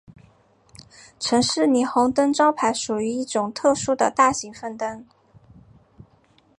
城市霓虹灯招牌属于一种特殊的大型氖灯。